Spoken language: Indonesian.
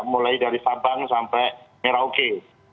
mulai dari sabang sampai merauke